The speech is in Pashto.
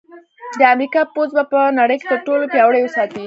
د امریکا پوځ به په نړۍ کې تر ټولو پیاوړی وساتي